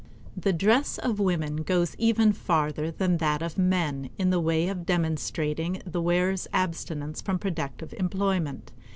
The dress of women goes even farther than that of men in the way of demonstrating the wearer's abstinence from productive employment.